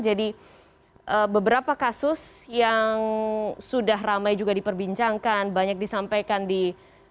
jadi beberapa kasus yang sudah ramai juga diperbincangkan banyak disampaikan di beberapa kasus